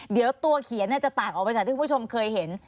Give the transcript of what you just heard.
เดี๋ยวตัวเขียนจะต่างออกไปจากที่คุณผู้ชมเคยเห็น